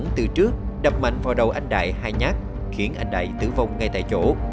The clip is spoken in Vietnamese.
từ trước đập mạnh vào đầu anh đại hai nhát khiến anh đại tử vong ngay tại chỗ